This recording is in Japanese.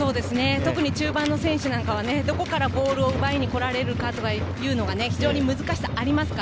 特に中盤の選手は、どこからボールを奪いに来られるか非常に難しさがあります。